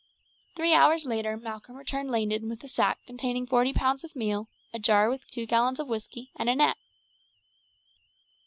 Three hours later Malcolm returned laden with a sack containing forty pounds of meal, a jar with two gallons of whiskey, and a net.